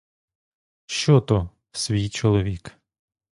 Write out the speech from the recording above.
Що то — свій чоловік!